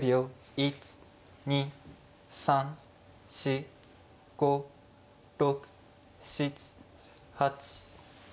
１２３４５６７８。